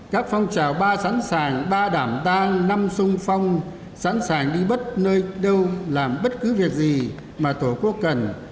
các phong trào ba sẵn sàng ba đảm tăng năm sung phong sẵn sàng đi bất nơi đâu làm bất cứ việc gì mà tổ quốc cần